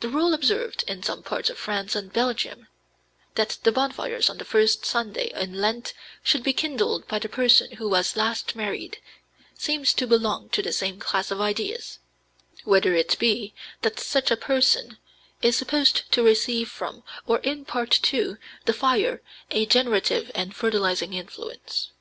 The rule observed in some parts of France and Belgium, that the bonfires on the first Sunday in Lent should be kindled by the person who was last married, seems to belong to the same class of ideas, whether it be that such a person is supposed to receive from, or impart to, the fire a generative and fertilizing influence.